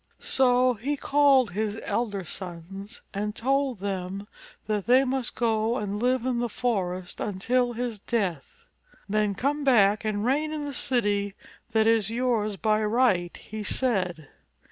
So he called his elder sons and told them' that they must go and live in the forest until his death. "Then come back and reign in the city that is yours by right," he said.